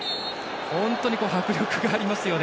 本当に迫力がありますよね。